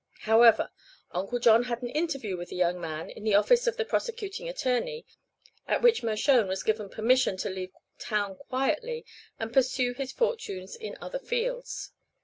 However, Uncle John had an interview with the young man in the office of the prosecuting attorney, at which Mershone was given permission to leave town quietly and pursue his fortunes in other fields.